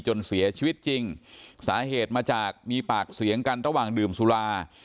จนเสียชีวิตจริงสาเหตุมาจากมีปากเสียงกันระหว่างดื่มสุรา